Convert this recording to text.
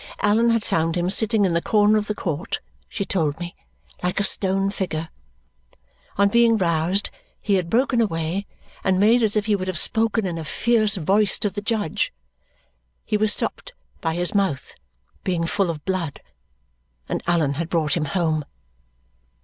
Allan had found him sitting in the corner of the court, she told me, like a stone figure. On being roused, he had broken away and made as if he would have spoken in a fierce voice to the judge. He was stopped by his mouth being full of blood, and Allan had brought him home.